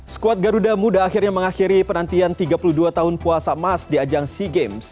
skuad garuda muda akhirnya mengakhiri penantian tiga puluh dua tahun puasa emas di ajang sea games